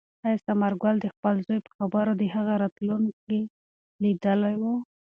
آیا ثمرګل د خپل زوی په خبرو کې د هغه راتلونکی لیدلی و؟